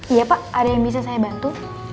iya pak ada yang bisa saya bantu